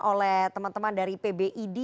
oleh teman teman dari pbid